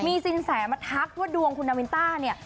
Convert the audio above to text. มีสินแสมาทักว่าดวงคุณนาวินต้าเนี่ย